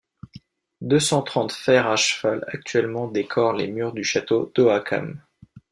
Deux cent trente fers à cheval actuellement décorent les murs du château d'Oakham.